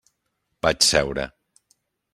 Vaig seure.